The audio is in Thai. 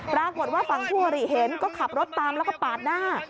ปรากฏว่าฝั่งคู่อริเห็นก็ขับรถตามแล้วก็ปาดหน้า